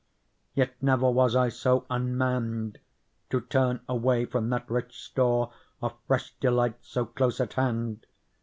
Yet never was I so unmanned To turn away from that rich store Of fresh delights, so close at hand.